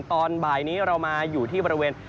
ตอนบ่ายนี้เรามาอยู่ที่บริเวณ